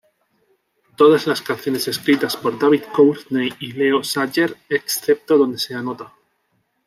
Todas las canciones escritas por David Courtney y Leo Sayer excepto donde se anota.